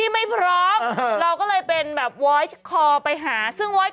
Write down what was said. มันชาวจริง